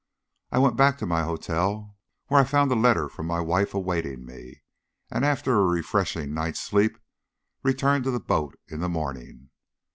I went back to my hotel, where I found a letter from my wife awaiting me, and, after a refreshing night's sleep, returned to the boat in the morning.